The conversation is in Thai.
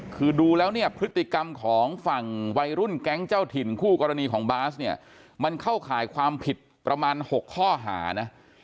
คือดูแล้วเนี่ยพฤติกรรมของฝั่งวัยรุ่นแก๊งเจ้าถิ่นคู่กรณีของบาสเนี่ยมันเข้าข่ายความผิดประมาณ๖ข้อหานะ